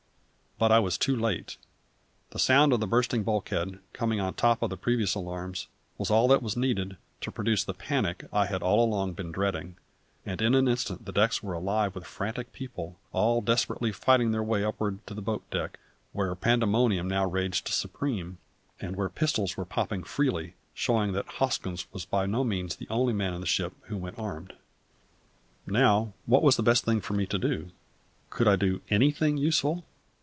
But I was too late; the sound of the bursting bulkhead, coming on top of the previous alarms, was all that was needed to produce the panic I had all along been dreading, and in an instant the decks were alive with frantic people, all desperately fighting their way upward to the boat deck, where pandemonium now raged supreme, and where pistols were popping freely, showing that Hoskins was by no means the only man in the ship who went armed. Now, what was the best thing for me to do? Could I do anything useful?